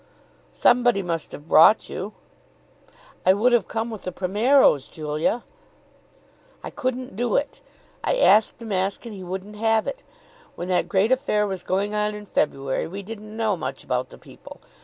"Somebody must have brought you." "I would have come with the Primeros, Julia." "I couldn't do it. I asked Damask and he wouldn't have it. When that great affair was going on in February, we didn't know much about the people.